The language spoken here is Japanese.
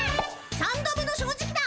「三度目の正直」だ！